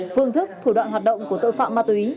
phương thức thủ đoạn hoạt động của tội phạm ma túy